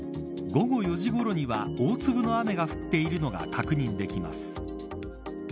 午後４時ごろには大粒の雨が降っているのが確認できます。